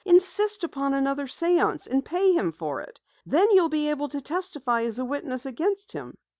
"Insist upon another séance, and pay him for it! Then you'll be able to testify as a witness against him!"